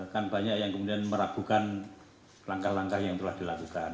kan banyak yang kemudian meragukan langkah langkah yang telah dilakukan